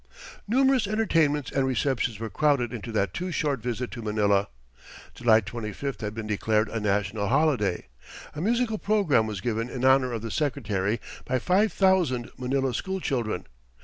Numerous entertainments and receptions were crowded into that too short visit to Manila. July 25th had been declared a national holiday. A musical program was given in honour of the Secretary by five thousand Manila school children.